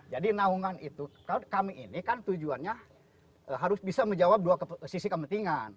jadi naungan itu kami ini kan tujuannya harus bisa menjawab dua sisi kepentingan